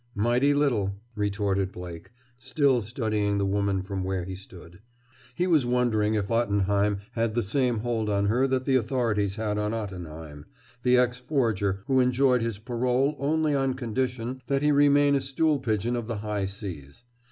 "Mighty little," retorted Blake, still studying the woman from where he stood. He was wondering if Ottenheim had the same hold on her that the authorities had on Ottenheim, the ex forger who enjoyed his parole only on condition that he remain a stool pigeon of the high seas.